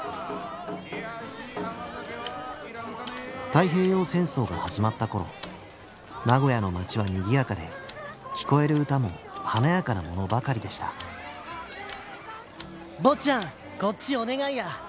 太平洋戦争が始まった頃名古屋の街はにぎやかで聞こえる歌も華やかなものばかりでしたぼっちゃんこっちお願いや。